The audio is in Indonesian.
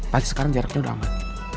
pasti sekarang jaraknya udah aman